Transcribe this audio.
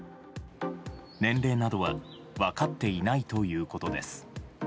年齢などは分かっていないということです。